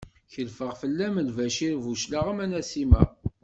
Kelfeɣ fell-am Lbacir Buclaɣem a Nasima!